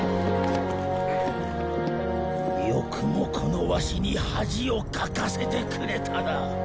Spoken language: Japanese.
よくもこのワシに恥をかかせてくれたな！